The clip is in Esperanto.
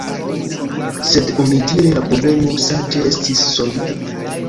Sed onidire la problemo saĝe estis solvita.